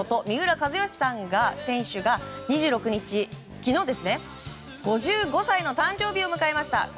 三浦知良選手が２６日５５歳の誕生日を迎えました。